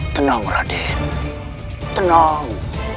tenang raden tenang